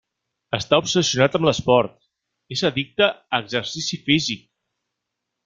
Està obsessionat amb l'esport: és addicte a exercici físic.